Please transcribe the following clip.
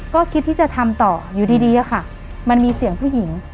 ก็คิดที่จะทำต่ออยู่ดีอะค่ะมันมีเสียงผู้หญิง